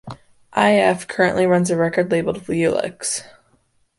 I-f currently runs a record label called Viewlexx.